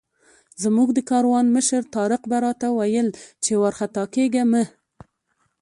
زموږ د کاروان مشر طارق به راته ویل چې وارخطا کېږه مه.